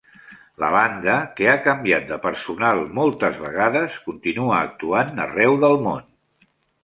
La banda, que ha canviat de personal moltes vegades, continua actuant arreu del món.